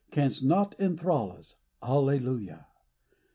canst not inthrall us. Alleluia